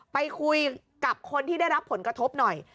ไปคุยกับคนที่ได้รับผลกระทบหน่อย